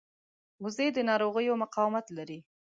وزې د ناروغیو مقاومت لري